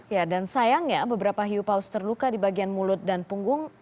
ya dan sayangnya beberapa hiu paus terluka di bagian mulut dan punggung